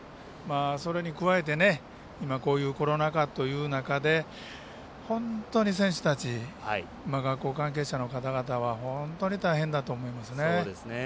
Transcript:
それに加えて今、こういうコロナ禍という中で本当に選手たち学校関係者の方々は本当に大変だと思います。